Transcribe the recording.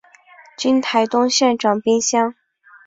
今台东县长滨乡。